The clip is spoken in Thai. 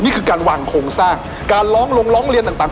นี่คือการวางโครงสร้างการร้องลงร้องเรียนต่าง